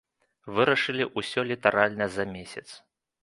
Вырашылі ўсё літаральна за месяц.